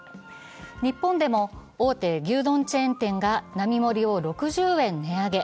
日本でも大手牛丼チェーン店が並盛を６０円値上げ。